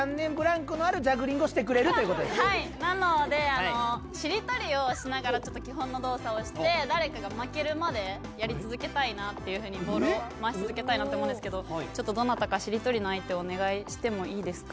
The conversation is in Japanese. なのでしりとりをしながらちょっと基本の動作をして誰かが負けるまでやり続けたいなっていうふうにボールを回し続けたいなって思うんですけどどなたかしりとりの相手をお願いしてもいいですか？